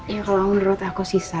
ya kalau menurut aku susah